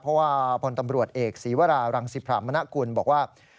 เพราะว่าพลตำรวจเอกศีวรารังสิพรามณกุลบอกว่า